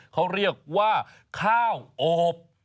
เขาเรียกว่าข้าวโอบ